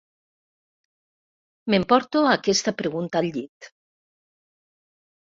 M'emporto aquesta pregunta al llit.